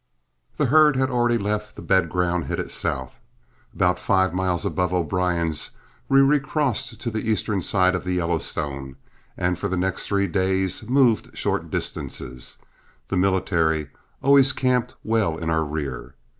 The herd had already left the bed ground, headed south. About five miles above O'Brien's, we recrossed to the eastern side of the Yellowstone, and for the next three days moved short distances, the military always camped well in our rear.